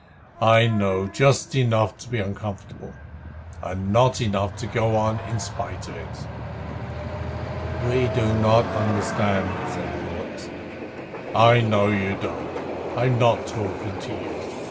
I know just enough to be uncomfortable, and not enough to go on in spite of it." "We do not understand," said the bullocks. "I know you don't. I'm not talking to you.